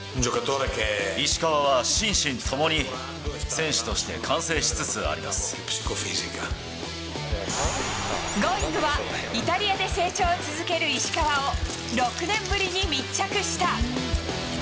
石川は心身ともに選手としてＧｏｉｎｇ！は、イタリアで成長を続ける石川を６年ぶりに密着した。